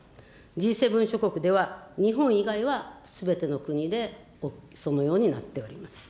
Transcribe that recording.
Ｇ７諸国では、日本以外はすべての国でそのようになっております。